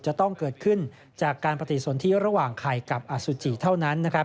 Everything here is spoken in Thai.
จะต้องเกิดขึ้นจากการปฏิสนที่ระหว่างไข่กับอสุจิเท่านั้นนะครับ